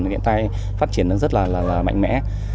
hiện tại phát triển rất là mạnh mẽ